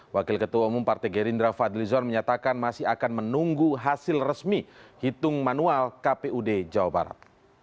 wakil ketua umum partai gerindra fadlizon menyatakan masih akan menunggu hasil resmi hitung manual kpud jawa barat